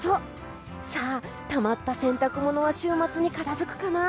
さあ、たまった洗濯物は週末に片付くかな？